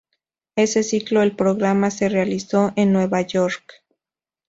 Ese ciclo el programa se realizó en Nueva York.